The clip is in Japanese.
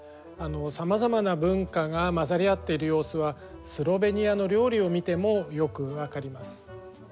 さまざまな文化が混ざり合っている様子はスロベニアの料理を見てもよく分かります。